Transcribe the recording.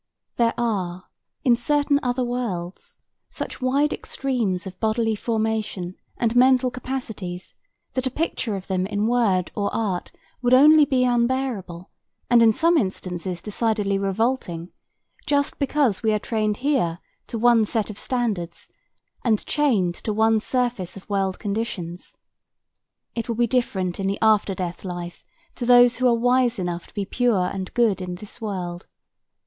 There are, in certain other worlds, such wide extremes of bodily formation and mental capacities, that a picture of them in word or art would only be unbearable and in some instances decidedly revolting, just because we are trained here to one set of standards and chained to one surface of world conditions. It will be different in the after death life to those who are wise enough to be pure and good in this world.